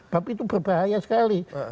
tapi itu berbahaya sekali